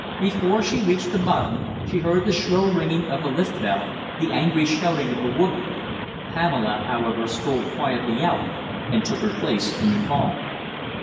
Before she reached the bottom, she heard the shrill ringing of the lift bell, the angry shouting of the woman. Pamela, however, strolled quietly out and took her place in the car.